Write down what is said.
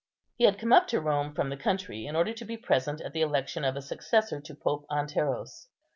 He had come up to Rome from the country, in order to be present at the election of a successor to Pope Anteros.